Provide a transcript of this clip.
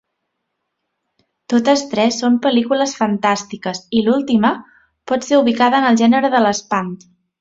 Totes tres són pel·lícules fantàstiques, i l'última pot ser ubicada en el gènere de l'espant.